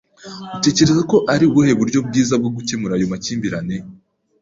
Utekereza ko ari ubuhe buryo bwiza bwo gukemura ayo makimbirane?